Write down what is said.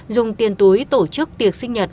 dùng tiền túi tổ chức tiệc sinh nhật